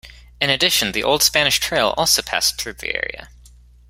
In addition, the Old Spanish Trail also passed through the area.